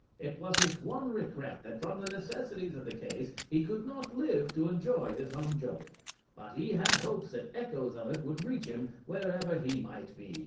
It was his one regret that from the necessities of the case he could not live to enjoy his own joke; but he had hopes that echoes of it would reach him wherever he might be.